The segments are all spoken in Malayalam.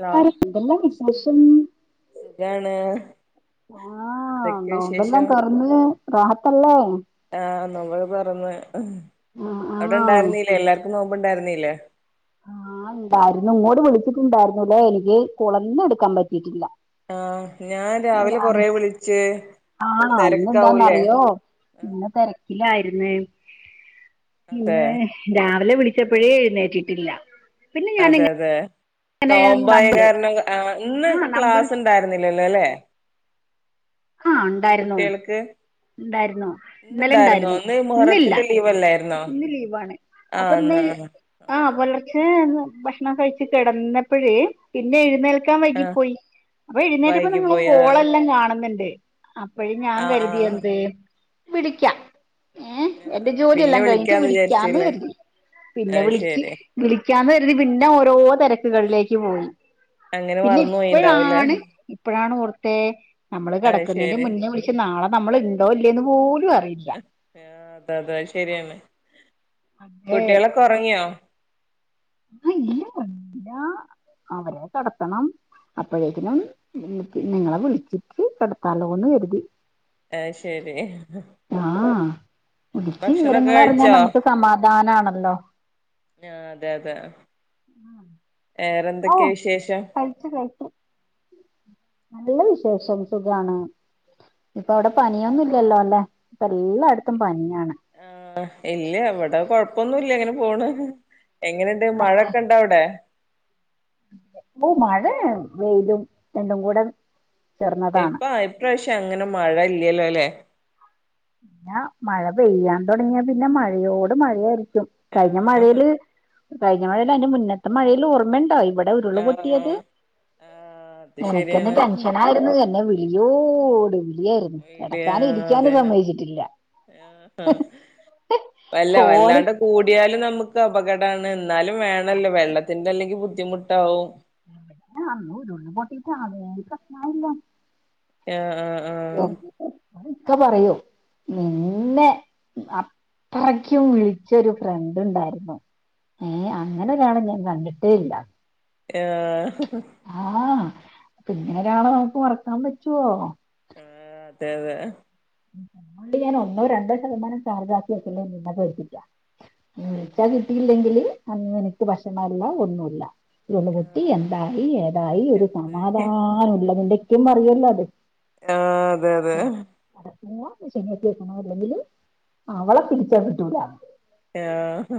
ഹലോ സുഖാണ് ആ നോമ്പ് എല്ലാം തുറന്ന് രാഹ- ആ നോമ്പോക്കെ തോർന്ന ആഹ് അവിടെ ആഹ് ഉണ്ടായിരുന്നില്ല എല്ലാർക്കും നോ- ഇണ്ടായിരുന്നല്ലേ ആ ഉണ്ടായിരുന്നു ഇങ്ങോട്ട വിളിച്ചിട്ടുണ്ടായിരുന്നുല്ലെ എനിക്ക് ഫോൺയൊന്നും എടുക്കാൻ പറ്റിയിട്ടില്ല ആ ഞാൻ രാവിലെ കൊറേ വിളിച്ചു ആ അന്ന് എന്താണന്നു അറിയോ പിന്നെ തിരക്കിലായിന്നേ അതെ പിന്ന രാവിലെ വിളിച്ചപ്പോഴേ എഴുന്നേറ്റിട്ടില്ല പിന്നെ അതെ ഞാനിങ്ങനെ അതെ നോമ്പായ നമ്പർ കാരണം ഇന്ന് ആഹ് നമ്പർ ക്ലാസ് ഉണ്ടായിരുന്ന ഇല്ല ഇല്ല അല്ലെ ആ ഇണ്ടായിരുന്നു കുട്ടികൾക്ക് ഇന്നലെ ഇന്നുണ്ടായിരുന്നോ ഇണ്ടായിരുന്നു ഇന്ന് ഇന്നില്ല മുഹറത്തിന്റെ ലീവ് അല്ലായിരുന്നോ ഇന്ന് ലീവാണ് അപ്പൊ ആഹ് ഇന്ന് ആഹ് ആഹ് പുലർച്ചെ ഭക്ഷണം കഴിച്ച് കിടന്നപ്പോഴേ പിന്നെ എഴുന്നേൽ കാൻ വൈകി ആഹ് പോയി അപ്പൊ എഴുന്നേറ്റപ്പം വൈകി നിങ്ങള് പോയി ആഹ് ഓളെല്ലാം കാണുന്നുണ്ട് അപ്പഴ്‌ ഞാൻ ആഹ് കരുതി എന്തേ പിടിക്കാം ആഹ് ആഹ് പിന്നെ വിളി എടക്ക് വിളിക്കാംന്ന് കരുതി പിന്നെ അത് വിച്ചി ശരി വിളക്കാന്ന് കരുതി പിന്നെ ഓരോ ഓ തെരക്കുകളിലേക്ക് പോയി അങ്ങനെ പിന്നെ മറന്നു പോയിണ്ടാവുംല്ലേ ഇപ്പഴാണ് ഇപ്പഴാണ് ഓർത്തെ നമ്മള് അത് കെടക്കുന്നെന്റെ ശരി മുന്നേ വിളിച്ച് നാളെ നമ്മൾ ഇണ്ടോ ഇല്ലേയൊന്ന് പോലും അറില്ല ആ അത അത ശരിയാണ് കുട്ടികളൊക്കെ ഉറങ്ങിയോ ആഹ് ഇല്ല ഒറങ്ങി ഇല്ല അവരെ കെടത്തണം അപ്പോഴേക്കനും നി നിങ്ങളെ വിളിച്ചിട്ട് കെടത്താലോന്ന് കരുതി ആയ് ശരി വിളിച്ചി ഭക്ഷണൊക്കെ വിവരങ്ങൾ അറിഞ്ഞാ കഴിച്ചോ നമുക്ക് സമാധാനആണല്ലോ ആ അതെ അതെ ഓ വേറെന്തൊക്കെയ വിശേഷം കഴിച്ചു കഴിച്ചു നല്ല വിശേഷം സുഖാണ് ഇപ്പൊ അവിടെ പനിയൊന്നുംഇല്ലല്ലോ അല്ലെ ഇപ്പ എല്ലാടത്തും പനിയാ ആഹ് ഇല്ലേ ഇവിടെ കൊഴപ്പൊന്നുല്ല അങ്ങനെ പോണു എങ്ങനെണ്ട് മഴൊക്കെ ഒണ്ടോ അവിടെ ഇവിടെ മഴയാ വെയ്ലും രണ്ടും കൂടെ അപ്പ ചേർന്നതാണ് ഇപ്പ അത്യാവശ്യം അങ്ങനെ മഴ ഇല്ലല്ലോ അല്ലേ പിന്നാ മഴ പെയ്യൻ തുടങ്ങിയാ പിന്നെ മഴയോട് മഴയായി രിക്കും ആ കഴിഞ്ഞ മഴയില് കഴിഞ്ഞ മഴല്ലാ അതിന്റെ മുന്നത്തെ മഴെല്ല് ഓർമ്മണ്ടാ ഇവിടെ ഉരുള് ആ ആ പൊട്ടിയത് ആ അത് എനക്കന്നെ ശരിയാണ് ടെൻഷനായിരുന്നു എന്നെ വിളിയോട് വിളിയാരുന്നു കേടക്കാനും ഇരിക്കാനും സമ്മയി ആഹ് ഹാ വല്ല ഫോണ് വല്ലാണ്ട് കൂടിയാലും നാമ്ക്ക് അപകടാന്ന് എന്നാലും വേണല്ലോ വെള്ളത്തിന്റെ അല്ലെങ്കി ബുദ്ധിമുട്ടാവും [unintelligible] പൊട്ടിട്ട് [unintelligible] ഏഹ് ആഹ് ആഹ്. ഇക്ക പറയോ നിന്നെ അ ത്രക്കും വിളിച്ചൊരു ഫ്രണ്ട് ഉണ്ടായിരുന്നു ഏ അങ്ങനെ ഒരാളെ ഞാൻ കണ്ടിട്ടേല്ല. ആഹ് ഹ് പിന്നെ ഒരാളെ നമുക്ക് മറക്കാൻ പറ്റുവോ ഏ അതെ അതെ ണ്ട് ഞാൻ ഒന്നോ രണ്ടോ ശതമാനം ചാർജ് ആക്കി വെക്കുന്നത് നിന്നെ പേടിപ്പിട്ടാ വിളിച്ചാ കിട്ടിയില്ലെങ്കില് അ എനക്ക് ബെഷമം ഇല്ല ഒന്നുല്ല ഇള്ള കുട്ടി ആഹ് എന്തായി ഏതായി ഒരു എന്തായി സമാധാനുള്ളതിന്റെക്കും അറിയാല്ലോ അത് ആ അതെതെ ശനിയക്കിക്കണോ അല്ലെങ്കില് അവളെ പിടിച്ചാ കിട്ടൂല്ലാന്ന് ആഹ് ഹ്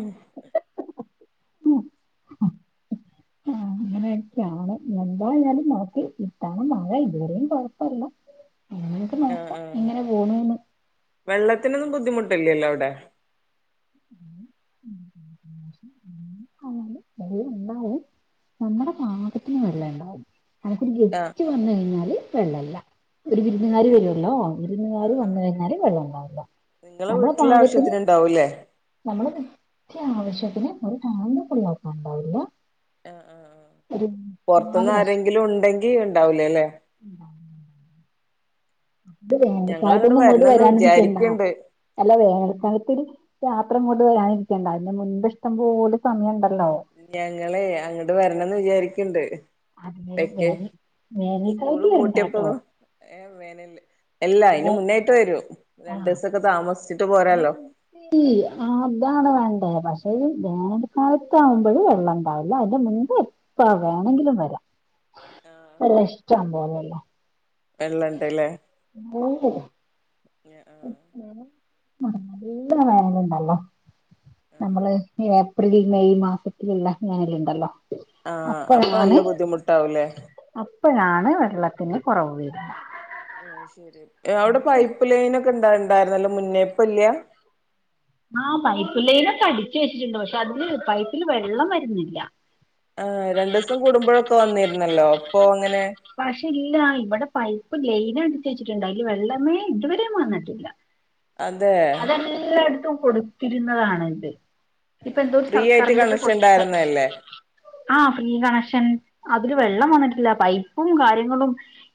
ഉം ഉം അങ്ങനെയൊക്കെയാണ് എന്തായാലും നോക്ക്. ഇത്തവണ മഴ ഇതുവരെയും കുഴപ്പമല്ല എന്നിട്ട് ആഹ് നോക്കാം. ആഹ് ഇങ്ങനെ പോണൂന്ന് വെള്ളത്തിനൊന്നും ബുദ്ധിമുട്ടില്ലല്ലോ അവിടെ. [unintelligible] നമ്മുടെ പാകത്തിന് വെള്ളണ്ടാവും നിനക്കൊരു ആഹ് ഗസ്റ്റ് വന്നു കഴിഞ്ഞാല് വെള്ളെല്ല ഒരു വിരുന്നുകാര് അല്ലേ വര്ല്ലോ വിരുന്നുകാർ വന്നു കഴിഞ്ഞാല് വെള്ളം ഇണ്ടാവുല്ല നിങ്ങളുടെ വീട്ടിലെ ആവശ്യത്തിന് ഇണ്ടാവൂല്ലേ നമ്മൾ നിത്യാവശ്യത്തിന് ഒരു താന്ന പൊളി ആക്കാ ഉണ്ടാവില്ല. ആ ആ ആ ഒരു പൊറതത് നാല് ന്ന് വർഷം ആരെങ്കിലും ഉണ്ടെങ്കിൽ ഉണ്ടാവില്ലല്ലേ അത് ഞങ്ങളങ്ങട് വേനൽക്കാലത്തൊന്നും ഇങ്ങോട്ട് വരണംന്ന് വരാനിരിക്കണ്ട വിചാരിക്ക്ണ്ട് അല്ല വേനൽക്കാലത്ത് രാ അത്രക്ക് ഇങ്ങോട്ട് വരാൻ നിൽക്കണ്ട. അതിന്റെ മുൻ്പ് ഇഷ്ടം പോലെ സമയം ഉണ്ട ഞങ്ങളെ അങ്ങട് വരണംന്ന് വിചാരിക്കണ്ട്. അതിന് പക്കെ വേനൽ സ്കൂള് വേനൽക്കാലത്ത് പൂട്ടിയപ്പ വരണ്ടാട്ടോ ഏ വേനല്ല് [unintelligible] അല്ല അയിന് ഏ മുനായിട്ട് വെരും. രണ്ട് ആഹ് ദിസൊക്കെ താമസിച്ചിട്ട് പോരാലോ ആ അതാണ് വേ പക്ഷേ വേനൽ കാലത്താകുമ്പോഴും വെള്ളംണ്ടാവില്ല അതിന്റെ മുൻപ് എപ്പ വേണമെങ്കിലും വരാം എല്ലാം ഇഷ്ട്ടം പോലല്ലേ വെള്ളം ഇണ്ടല്ലെ. നല്ല വേനണ്ടല്ലേ. നമ്മളുടെ ഏപ്രിൽ മെയ് മാസത്തിലെല്ലാം ഇങ്ങനെയല്ലാം ഉണ്ടല്ലോ ആ അപ്പൊ അപ്പഴാണ് നല്ല ബുദ്ധിമുട്ടാവൂലേ അപ്പഴാണ് വെള്ളത്തിന് കുറവ് വെര്ന്ന അത് ശരി അവിടെ പൈപ്പ് ലൈൻ ഒക്കെ ഉണ്ടായിരുന്നല്ലോ മുന്നേ. ഇപ്പൊ ഇല്ല. ആ പൈപ്പ് ലൈനൊക്കെ അടിച്ചു വെച്ചിട്ടുണ്ട്. പക്ഷെ അതില് പൈപ്പില് വെള്ളം വെരുന്നില്ല അപ്പൊ വന്നിരുന്നല്ലോ ഇപ്പൊ എങ്ങനെ? പക്ഷെ ഇല്ല, ഇവിടെ പൈപ്പ് ലൈൻ എടുത്ത് വെച്ചിട്ടുണ്ട്. അതില് വെള്ളമേ ഇതുവരെ വന്നിട്ടില്ല അതെ അതെല്ലായിടത്തും കൊടുത്തിരുന്നതാണിത് ഇപ്പ എന്തോ ഫ്രീ ആയിട്ട് സർക്കാരിന്റെത് കണക്ഷൻ കൊടു ഉണ്ടായിരുന്നല്ലേ ആ ഫീ കണക്ഷൻ അതില് വെള്ളം വന്നിട്ടില്ല പൈപ്പ് ഉം കാര്യങ്ങളും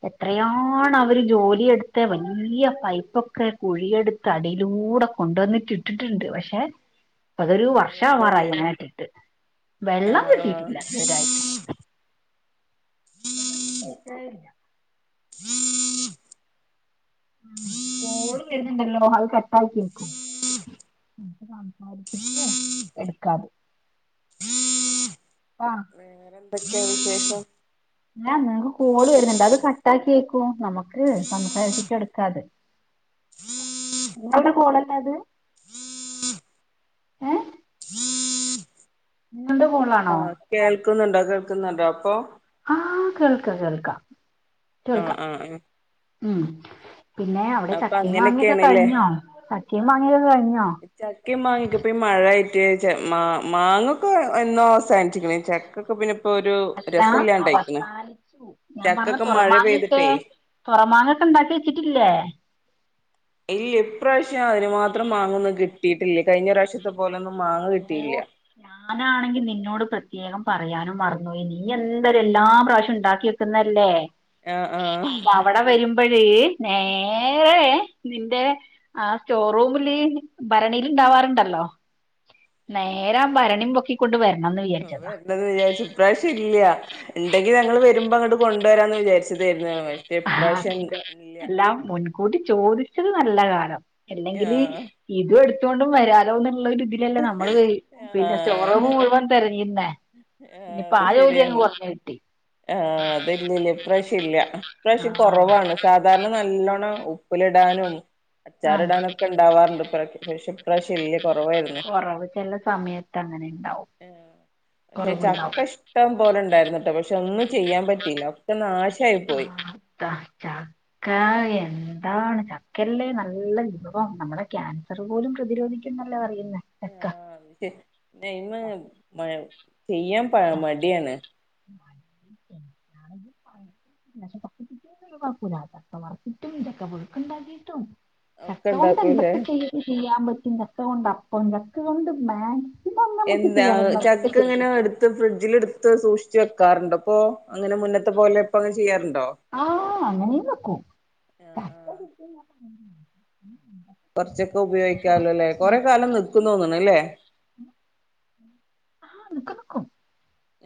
എത്രയാണ് അവര് ജോലിയെടുത്ത വലൃയ പൈപ്പൊക്കെ കു ചറിയടുത്ത് അടിയിലൂടെ കൊണ്ടുവന്നിട്ട് ഇട്ടിട്ടുണ്ട് പക്ഷെ അതൊരു വർഷമാവാറായി വെള്ളല്ലല്ലേ ഞാൻ ഇട്ടിട്ട് ആ വെള്ളം ആ കിട്ടിയിട്ടില്ല ഇത് വരെയായിട്ടും വെള്ളം കിട്ടിയിട്ടേയില്ല ആ കാള് വരുന്നുണ്ടല്ലോ. അത് കട്ടാക്കിവെക്കും എ സംസാരിച്ചിട്ട് എടുക്കാതെ [unintelligible] ആഹ്. വേറെ എന്തൊക്കെയാ വിശേഷം അ നിങ്ങക്ക് കോള് വരുന്നുണ്ട് അത് കട്ടാക്കേക്കും നമുക്ക് സംസാരിച്ചിട്ടെടുക്കാത്. നിങ്ങൾടെ കോളല്ലെ അത്? ഏഹ്. നിങ്ങൾടെ കോളാ? ആ കേൾക്കുന്നുണ്ടോ കേൾക്ക്ന്ന്ണ്ടോ അപ്പോ? ആഹ് കേൾക്ക കേൾക്ക. ആഹ് ആഹ് ആഹ്. ഉം പിന്നെ അവിടെ ചക്കേം മാങ്ങൊക്കെ അങ്ങനെയൊക്കെയാണ്ല്ലേ കഴിഞ്ഞോ ചക്കേം മാങ്ങൊക്കെ കഴിഞ് ചക്കെം മാങ്ങിയൊക്കെ ഇപ്പൊ മഴായ് ട്ട് മാ മാങ്ങൊക്കെ എന്നോ അവസാനിച്ച്ക്ക്ണ് ചക്കൊക്കെ പിന്നെ ഇപ്പോ ഒരു അല്ലാ രസല്ലാണ്ടായിക്ക്ണ് അവസാനിച്ചു ഞാൻ പറഞ്ഞ ചക്കൊക്കെ മഴ തുറമാങ്ങൊക്കേ പെയ്തിട്ടേ തൊമാങ്ങൊക്കെ ഇണ്ടാക്കി വെച്ചിട്ടില്ലേ? ഇല്ല ഇപ്രാവശ്യം അതിനുമാത്രം മാങ്ങൊന്നും കിട്ടിട്ടില്ല കഴിഞ്ഞറാശ്യ ത്ര പോലൊന്നും മാങ്ങ കിട്ടീല്യ. ഓഹ് ഞാനാണെങ്കി നിന്നോട് പ്രത്യേകം പറയാനും മർന്നോയി നീ എന്താലും എല്ലാ പ്രാവശ്യുണ്ടാക്കി വെക്കുന്നല്ലേ? ആഹ് അപ്പൊ ആഹ് അവിടെ വരുമ്പഴ് നേരെ നിന്റെ ആ സ്റ്റോറൂമില് ഭരണീല്ണ്ടാവാറിണ്ടല്ലോ? നേരാ ഭരണിം പൊക്കിക്കൊണ്ട് വര വരണെന്ന് വിചാരിച്ച് ഇപ്രാശ്യം ഇല്യാ. ഇണ്ടെങ്കി ഞങ്ങള് വെര്മ്പോ അങ്ങട്ട് കൊണ്ടരാന്ന് വിചാര്ച്ചതേരുന്നു. ആ അതെ എല്ലാം മുൻകൂട്ടി ചോദിച്ചത് നല്ല കാ എല്ലങ്കില് ആഹ് ഇതും എടുത്തോണ്ട് വരാലോന്ന് ഇള്ളൊര് ഇതിലല്ലേ നമ്മള് ക പിന്നെ സ്റ്റോറൂമ് മുഴുവൻ തെരഞ്ഞിട്ടുണ്ടായി - ആ അത് ശെരിയാണ് കിട്ടി ആ അത് ഇന്ന് ഇല്ല പ്രാവവിശ്യം ഇല്ല ഇപ്രാവശ്യം ആഹ് കൊറവാണ് സാധാരണ നല്ലോണം ഉപ്പിലിടാനും - ആഹ് അച്ചാറിടാനൊക്കെ ഇണ്ടാവാറ്ണ്ട് പക്ഷെ ഇപ്രാശ്യം ഇല്ല [inaudible] കുറവായിരുന്നു കൊറവ് ചെല സമയത്ത് അങ്ങനെ ഇണ്ടാവും ഏ പക്ഷേ കൊറവുണ്ടാവും ചക്ക ഇഷ്ടം പോലെ ഇണ്ടായിരുന്നു പക്ഷെ ഒന്നും ചെയ്യാൻ പറ്റില്ല ഒക്കെ നാശ ആ താ ചക്കാ [unintelligible] എന്താണ് ചക്കല്ലേ നല്ല വിഭവം നമ്മടെ ക്യാൻസറ് പോലും പ്രതിരോധിക്കും എന്നല്ലേ പറയാ ആ ഇന്ന് ചെയ്യാൻ പ മടിയാണ് [unintelligible] പക്ഷെ ചക്ക ഒരു കൊഴപ്പൂല ചക്കവറുത്തിട്ടും ചക്കപുഴ്ക്ക്ണ്ടാകീട്ടും- ഒക്കെ ചക്ക കൊണ്ട് ഉണ്ടാക്കൂലേ എന്തൊക്കേ ചെയ്യാൻ പറ്റും ചക്ക കൊണ്ട് അപ്പം ചക്ക കൊണ്ട് മേക് എന്താ ചക്ക അങ്ങനെ എടുത്തു ഫ്രിഡ്ജില് എടുത്ത് സൂക്ഷ് ച്ച് വെക്കാറുണ്ടോ അങ്ങനെ മുന്നത്തെ പോലെ ഇപ്പോ അങ്ങനെ ചെയ്യാറ് ആഹാ അങ്ങനെയും വെക്കും ആഹ് ആഹ് കൊറച്ചൊക്കെ ഉപയോഗിക്കാല്ലോ ഇല്ലേ ചെയ്യും കൊറെക്കാലം നിക്കും തോന്ന് ണു ഇല്ലേ ആഹ്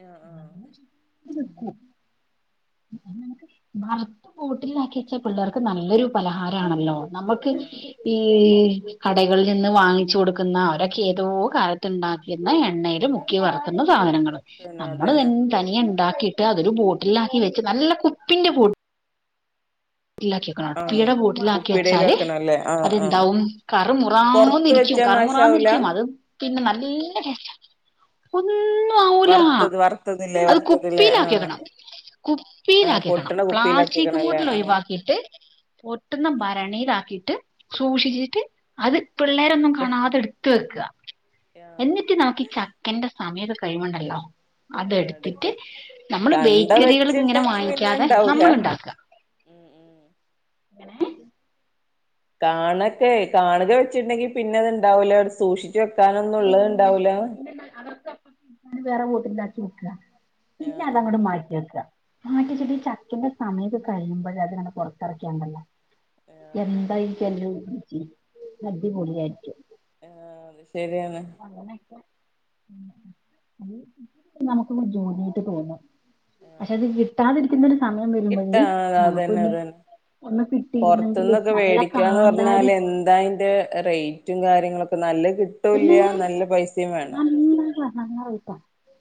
ആഹ് ആഹ് നിക്കും [unintelligible] വറത്ത് ബോട്ടിലിൽലാക്കി വെച്ചാ പിള്ളേർക്ക് നല്ലൊരു പലഹാരണല്ലോ നമ്മക്ക്- ആഹ് ഈ കടകളിൽ നിന്ന് വാങ്ങിച്ചു കൊടുക്കുന്ന അവരൊക്കെ ഏതോ കാലത്ത് ഇണ്ടാക്കുന്ന- എണ്ണയില് അതെ മുക്കി വറുക്കുന്ന സാധനങ്ങ- ള് അതന്നെ നമ്മള് അതന്നെ തനിയെ ഇണ്ടാക്കിട്ട് അതൊരു ബോട്ടിൽലാക്കി വെച്ച് നല്ല കുപ്പിന്റെ ബോട്ടി - ട്ടിലാക്കിക്കണം ആഹ് കുപ്പിടെ ബോട്ടിൽലാക്കി കുപ്പിടേല് വെച്ചാല്- വെക്കണല്ലേ ആഹ് ആഹ് അതെന്താവും പൊറത്ത് കറുമുറാന്നിരിക്കും വെച്ചാ കറ് നാശാവൂല മുറാന്നിരിക്കും അത് പിന്നെ നല്ലേ ടേസ്റ്റാ [unintelligible] വർത്തത് വർത്തത് ലെ വർത്തത് ലെ ആഹ് ആഹ് കുപ്പിയിലാക്കിക്കണം പൊട്ടണ പ്ലാസ്റ്റിക് കുപ്പിയിലാക്കിക്കണല്ലേ ആഹ് ബോട്ടിലൊയിവാക്കി ട്ട് പൊട്ടുന്ന ഉം ഉം ഭരണിയിലാക്കീട്ട് സൂക്ഷിച്ചിട്ട് അത് പിള്ളേരൊന്നും എടുക്ക കാണാതെ ഇട്ത്ത് വെക്കാ ആഹ് എന്നിട്ട് നമ്മുക്കീ ചക്കന്റെ സമയക്കെ കഴിവ്ണ്ടല്ലോ ആഹ് അതെട്ത്തിട്ട് എടുക്ക നമ്മള് കണ്ട ബേക്കറികള്ങ്ങനെ വെച്ചിണ്ടെങ്കി പിന്നെ വാങ്ങിക്കാതെ ഇണ്ടാവൂല നമ്മള്ണ്ടാക്കാ ഉം ഉം ങ്ങനേ കാണക്കേ കാണ്കെ വെച്ചീണ്ടെങ്കി പിന്നെ അത്ണ്ടാവൂല സൂക്ഷി ച്ച് വെക്കാനൊന്നും ഇള്ളഹ് ഇണ്ടാവൂല സാനം വേറെ ബോട്ടിലാക്കി വെക്കാ പിന്നെ ആഹ് അതങ്ങട്ട് ആഹ് മാറ്റി വെക്കാ മാറ്റെച്ചിട്ട് ചക്കെന്റെ സമയൊക്കെ കഴിയുമ്പഴാ അത്ങ്ങനെ പൊർത്തർക്ക്യാണ്ടല്ലോ ആഹ് എന്തായിരിക്കും എല്ലും അടിപൊളിയായിരിക്കും ആഹ് അത് ഷ് അങ്ങനെക്കെ [inaudible] നമുക്ക് ജോലിയായിട്ട് തോന്നാ പക്ഷെ അത് ആഹ് കിട്ടാതിരിക്കുന്നൊരു സമയം വരുമ്പഴെ നമുക്ക് പിന്നെ പൊർത്ത്ന്ന് അത് വേടിക്ക്യാന്ന് കാന്താരി പർഞ്ഞാല് എന്താ അയ്ന്റെ റെയ് റ്റും കാര്യങ്ങളൊക്കെ നല്ലഹ് പിന്നെ കിട്ടൂല്ല്യ നല്ല പൈസിം വേണം നല്ല നല്ല റെയ്റ്റാ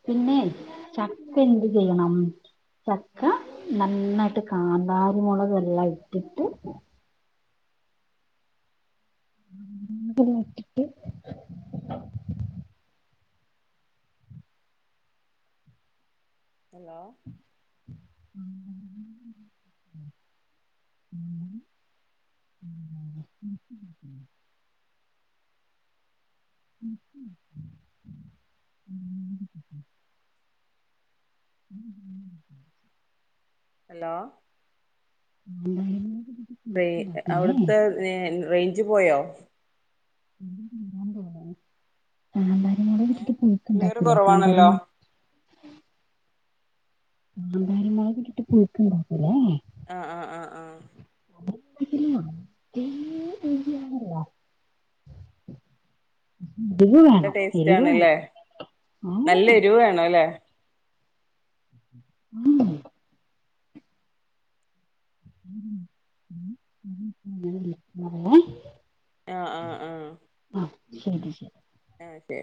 പിന്നെ ഉം ചക്കെന്ത് ചെയ്യണം? ചക്ക നന്നയ്ട്ട് കാന്താരി മൊളകെല്ലാം ഇട്ട്ട്ട് [inaudible] ഇട്ട്ട്ട് ഹലോ [inaudible] ഹലോ എന്തായിരുന്നു റെ അവിടുത്തെ നെ റേഞ്ച് പോയോ? ഉണ്ട് ഇവിടെ. [unintelligible] നിങ്ങടെ വീട്ടിലേക്ക് ഏഹ് പുഴുക്ക് ക്ലിയർ ഇണ്ടാക്കൂല്ലോ കാന്താരി കുറവാണല്ലോ മുളക്. കാന്താരി മുളകിട്ടിട്ട് പുഴുക്കുണ്ടാക്കൂല്ലോ ഏഹ്. ആഹ് ആഹ് ആഹ് ആഹ് നല്ല സിനിമ [unintelligible] അതല്ല എരിവ് നല്ല വേണം ടേസ്റ്റ് എരിവ് വേണം ആണ്ല്ലേ നല്ല ആഹ്. എരിവ് വേണല്ലേ ആഹ് അതല്ല പറയാം. ആഹ് ആഹ് ആഹ് ശരി ശരി ഓക്കേ